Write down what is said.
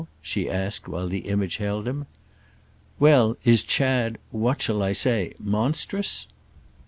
she asked while the image held him. "Well, is Chad—what shall I say?—monstrous?"